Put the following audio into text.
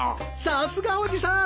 さすが伯父さん！